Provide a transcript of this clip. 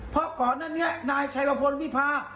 เพราะก่อนหน้านี้นายชัยรพลวิพา